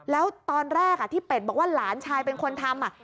แล้วตอนแรกที่เป็ดบอกว่าหลานชายเป็นคนทำ